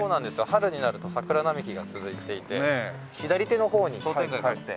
春になると桜並木が続いていて左手の方に商店街があって。